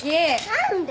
何で？